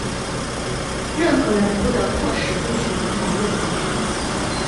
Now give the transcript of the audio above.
任何人不得迫使隶属于某一团体。